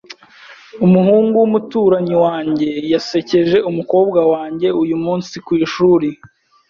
Umuhungu wumuturanyi wanjye yasekeje umukobwa wanjye uyumunsi kwishuri .